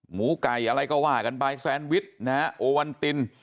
หมูไก่อะไรก็ว่ากันไปแซนวิชนะฮะโอวันติน